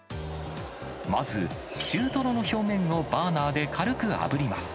まず、中トロの表面をバーナーで軽くあぶります。